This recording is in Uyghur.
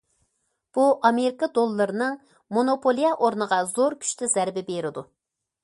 بۇ ئامېرىكا دوللىرىنىڭ مونوپولىيە ئورنىغا زور كۈچتە زەربە بېرىدۇ.